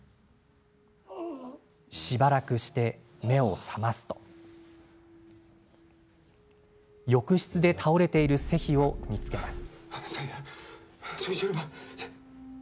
しばらくして目を覚ますと浴室で倒れているセヒを見つけます。